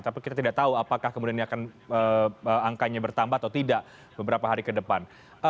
tapi kita tidak tahu apakah kemudian ini akan angkanya bertambah atau tidak beberapa hari ke depan